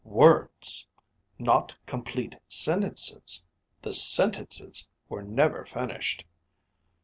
Words! Not complete sentences! The sentences were never finished.